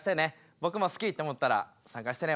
僕も好きって思ったら参加してね。